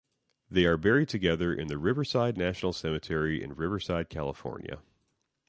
They are buried together in the Riverside National Cemetery in Riverside, California.